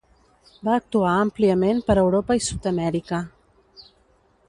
Va actuar àmpliament per Europa i Sud-amèrica.